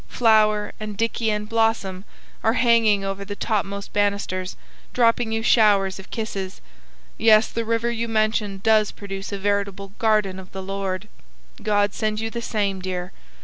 Flower, and Dicky, and Blossom, are hanging over the topmost banisters, dropping you showers of kisses. Yes, the river you mentioned does produce a veritable 'garden of the Lord.' God send you the same, dear.